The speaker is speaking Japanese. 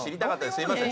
すみません」。